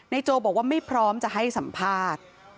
โจบอกว่าไม่พร้อมจะให้สัมภาษณ์